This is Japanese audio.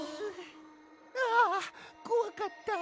はあこわかった！